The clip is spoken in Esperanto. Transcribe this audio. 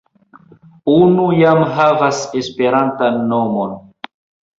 Unu jam havas esperantan nomon.